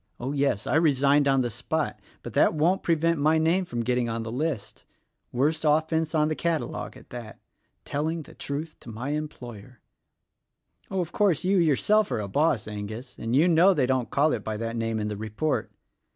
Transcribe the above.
Oh, yes! I resigned on the spot — but that won't prevent my name getting on the list. Worst offence on the cata logue at that : Telling the truth to my employer. Oh, of course, you yourself are a boss, Angus, and you know they don't call it by that name in the report.